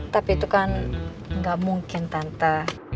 tapi itu kan gak mungkin tante